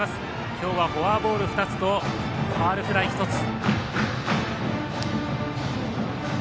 今日はフォアボール２つとファウルフライ１つ。